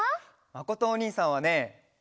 まことおにいさんはね